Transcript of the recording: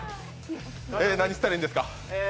え、何したらいいんですか？